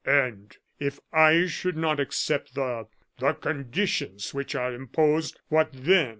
"And if I should not accept the the conditions which are imposed, what then?"